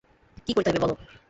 কী করিতে হইবে, বলো।